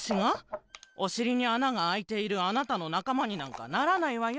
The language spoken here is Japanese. おしりにあながあいているあなたのなかまになんかならないわよ。